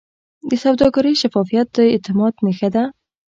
د سوداګرۍ شفافیت د اعتماد نښه ده.